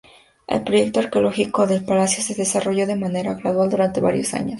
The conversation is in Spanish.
El proyecto arqueológico del palacio se desarrolló de manera gradual durante varios años.